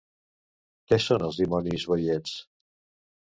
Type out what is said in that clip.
Què són els dimonis boiets?